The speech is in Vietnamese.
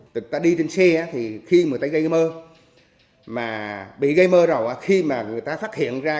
một tổ trinh sát nhận nhiệm vụ quay camera nhận dạng đối tượng